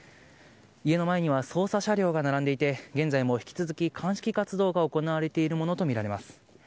家の前には捜査車両が並んでいて、現在も引き続き鑑識活動が行われているものと見られます。